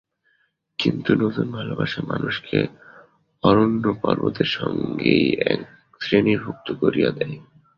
কিন্তু নূতন ভালোবাসায় মানুষকে অরণ্যপর্বতের সঙ্গেই একশ্রেণীভুক্ত করিয়া দেয়।